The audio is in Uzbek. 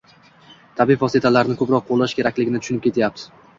tabiiy vositalarni ko‘proq qo‘llash kerakligini tushunib yetyapti.